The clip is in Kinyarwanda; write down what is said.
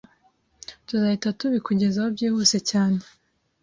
tuzahita tubikugezaho byihuse cyane.”